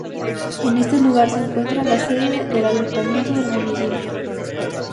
En este lugar se encuentra la sede del ayuntamiento del municipio.